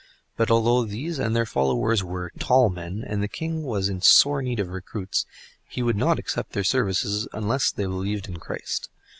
But although these and their followers were "tall" men, and the king was in sore need of recruits, he would not accept their services unless they believed in Christ.